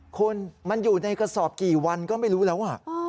คุณมันอยู่ในกระสอบกี่วันก็ไม่รู้แล้ว